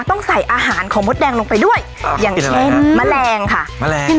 ต้องใส่อาหารของมดแดงลงไปด้วยอย่างเช่นแมลงค่ะ